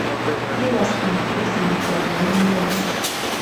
He was imprisoned for many years.